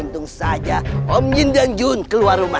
untung saja om yin dan jun keluar rumah